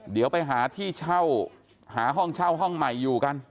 เดี๋ยวไปหาที่เช่าหาห้องเช่าห้องใหม่อยู่กัน